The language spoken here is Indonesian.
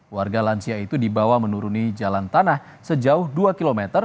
warga lansia itu dibawa menuruni jalan tanah sejauh dua km